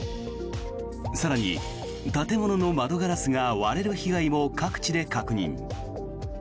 更に、建物の窓ガラスが割れる被害も各地で確認。